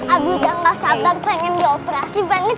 abi udah gak sabar pengen dioperasi banget